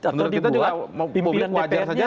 menurut kita juga mobil wajar saja